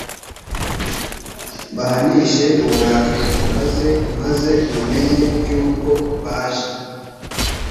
mbahanishe uburakari bukaze maze bamenye yuko baje